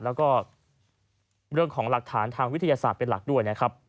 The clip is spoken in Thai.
และเรื่องของหลักฐานทางวิทยาศาสตร์เป็นหลักด้วย